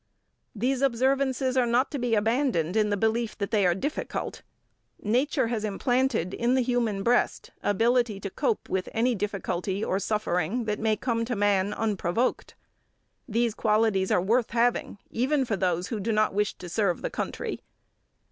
These observances are not to be abandoned in the belief that they are difficult. Nature has implanted in the human breast ability to cope with any difficulty or suffering that may come to man unprovoked. These qualities are worth having, even for those who do not wish to serve the country.